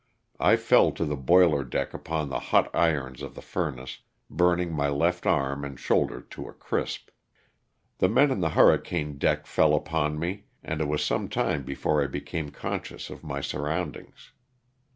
I fell to the boiler deck upon the hot irons of the furnace, burning my left arm and shoulder to a crisp. The men on the hurricane deck fell upon me, and it was some time before I became conscious of my surroundings.